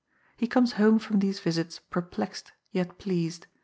He comes home from these visits perplexed yet pleased.